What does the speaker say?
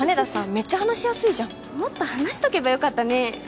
メッチャ話しやすいじゃんもっと話しとけばよかったね